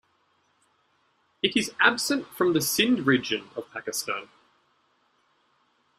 It is absent from the Sind region of Pakistan.